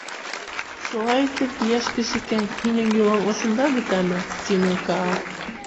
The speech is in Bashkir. — Шулай итеп, йәш кешекәй, һинең юлың ошонда бөтәме? — тине Каа.